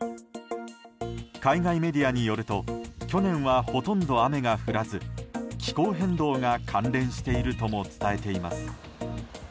海外メディアによると去年は、ほとんど雨が降らず気候変動が関連しているとも伝えています。